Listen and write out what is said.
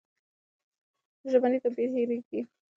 ژبني توپیرونه هېرېږي.